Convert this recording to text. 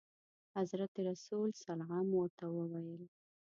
حضرت رسول صلعم ورته وویل.